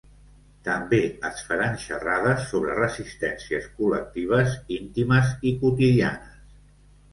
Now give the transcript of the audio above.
També es faran xerrades sobre resistències col·lectives, íntimes i quotidianes.